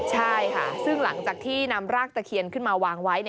ใช่ค่ะซึ่งหลังจากที่นำรากตะเคียนขึ้นมาวางไว้